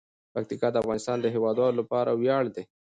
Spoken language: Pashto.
پکتیکا د افغانستان د هیوادوالو لپاره ویاړ دی.